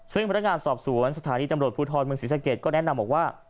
ซึ่งพนักงานสอบสวนสถานีตำรวจภูทรเมืองศรีสะเกดก็แนะนำบอกว่า